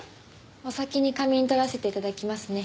お先に仮眠取らせて頂きますね。